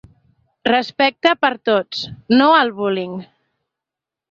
Respecte per a tots, no al bullying.